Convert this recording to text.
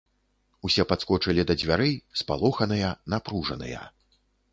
Усе падскочылі да дзвярэй, спалоханыя, напружаныя.